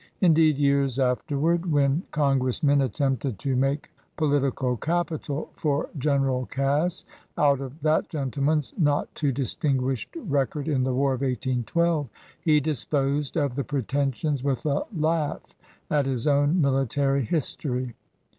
Indeed, years afterward, when congressmen attempted to make political capital for General Cass out of that gentleman's not too distinguished record in the War of 1812, he disposed of the pretensions with a laugh at his own military history.